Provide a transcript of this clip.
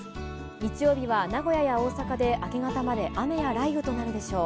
日曜日は名古屋や大阪で明け方まで雨や雷雨となるでしょう。